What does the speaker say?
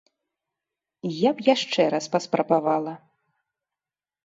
Я б яшчэ раз паспрабавала.